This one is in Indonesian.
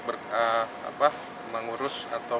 berapa apa mengurus atau